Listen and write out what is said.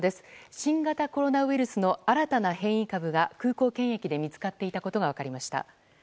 新型コロナウイルスの新たな変異株が空港検疫で見つかっていたことが分かりました。